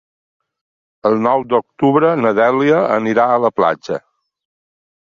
El nou d'octubre na Dèlia anirà a la platja.